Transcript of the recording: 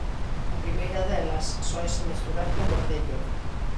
Na primeira delas sóese mesturar con verdello.